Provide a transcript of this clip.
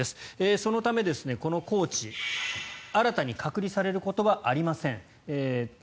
そのためこのコーチは新たに隔離されることはありません。